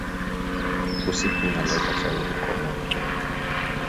Usiku unaleta shauri kwa mutu